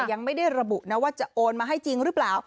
ยังไม่ได้ระบุนะว่าจะโอนมาให้จริงหรือเปล่า